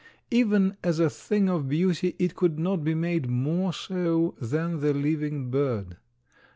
Even as a thing of beauty it could not be made more so than the living bird.